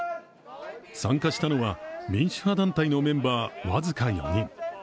参加したのは民主派団体のメンバー、僅か４人。